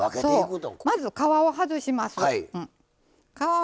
まず皮を外します。